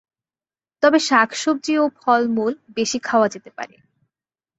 তবে শাকসবজি ও ফলমূল বেশি খাওয়া যেতে পারে।